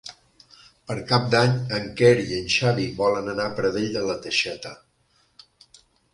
Per Cap d'Any en Quer i en Xavi volen anar a Pradell de la Teixeta.